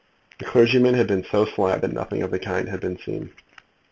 The clergyman had been so sly that nothing of the kind had been seen.